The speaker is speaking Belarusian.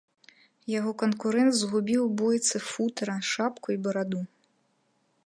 Яго канкурэнт згубіў у бойцы футра, шапку і бараду.